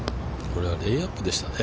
これはレイアップでしたね。